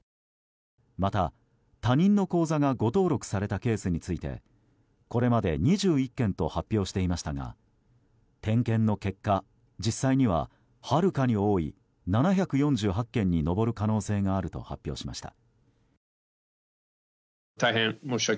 また、他人の口座が誤登録されたケースについてこれまで２１件と発表していましたが点検の結果、実際にははるかに多い７４８件に上る可能性があると発表しました。